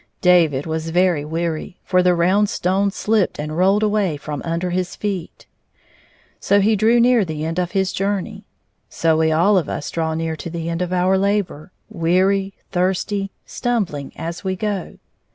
David was very weary, for the round stones slipped and rolled away from under his feet. So he drew near the end of his journey. So we all of us draw near to the end of our labor, weary, thirsty, stumbling as we go.